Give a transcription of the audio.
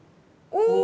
お！